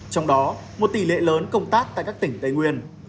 trong đó một tỷ lệ lớn công tác tại các tỉnh tây nguyên